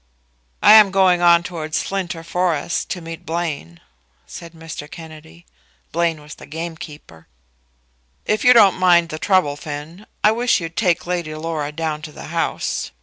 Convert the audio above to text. "I am going on towards Linter forest to meet Blane," said Mr. Kennedy. Blane was the gamekeeper. "If you don't mind the trouble, Finn, I wish you'd take Lady Laura down to the house.